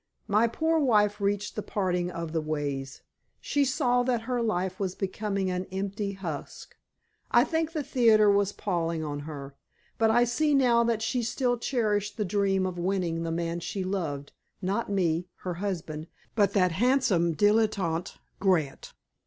My poor wife reached the parting of the ways. She saw that her life was becoming an empty husk. I think the theater was palling on her. But I see now that she still cherished the dream of winning the man she loved—not me, her husband, but that handsome dilettante, Grant.